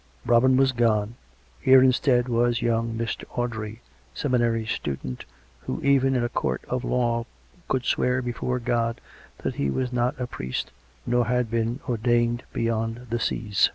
Robin was gone; here, instead, was young Mr. Audrey, seminary student, who even in a court of law could swear before God that he was not a priest, nor had been " ordained beyond the seas."